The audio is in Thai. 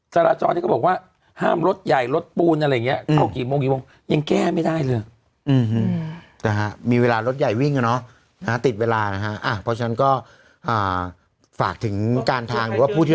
ศาลาชรที่ก็บอกว่าห้ามรถใหญ่รถปูนอะไรอย่างนี้